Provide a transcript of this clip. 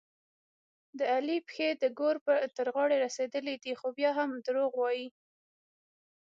د علي پښې د ګور تر غاړې رسېدلې دي، خو بیا هم دروغ وايي.